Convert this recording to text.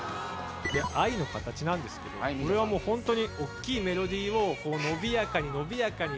『アイノカタチ』なんですけどこれは本当に大きいメロディーを伸びやかに伸びやかに。